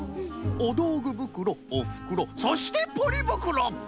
おどうぐぶくろおふくろそしてポリぶくろ！